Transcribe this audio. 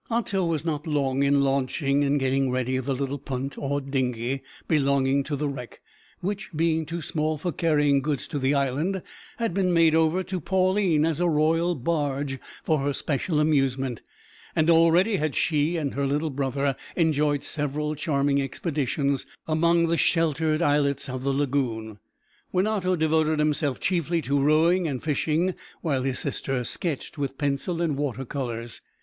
Otto was not long in launching and getting ready the little punt, or dinghy, belonging to the wreck, which, being too small for carrying goods to the island, had been made over to Pauline as a royal barge for her special amusement, and already had she and her little brother enjoyed several charming expeditions among the sheltered islets of the lagoon, when Otto devoted himself chiefly to rowing and fishing, while his sister sketched with pencil and water colours.